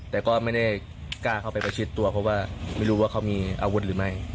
แต่ก็ไม่ได้กล้าเข้าไปประชิดตัวเพราะว่าไม่รู้ว่าเขามีอาวุธหรือไม่